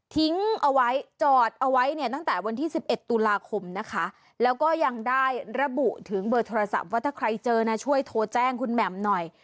ทิ้งเอาไว้จอดเอาไว้เนี่ยตั้งแต่วันที่๑๑ตุลาคมนะคะแล้วก็ยังได้ระบุถึงเบอร์โทรศัพท์ว่าถ้าใครเจอนะช่วยโทรแจ้งคุณแหม่มหน่อย